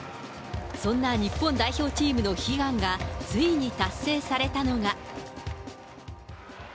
そんな日本代表チームの悲願がついに達成されたのが。